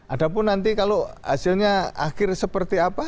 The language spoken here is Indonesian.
ada pun nanti kalau hasilnya akhir seperti apa